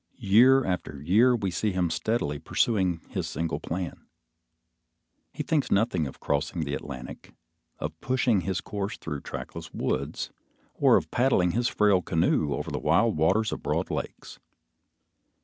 Year after year we see him steadily pursuing his single plan. He thinks nothing of crossing the Atlantic, of pushing his course through the trackless woods, or of paddling his frail canoe over the wild waters of the broad lakes.